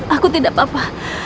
aku tidak apa apa